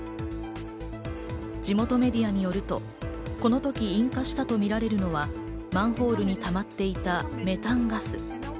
地元メディアによると、このとき引火したとみられるのはマンホールにたまっていたメタンガス。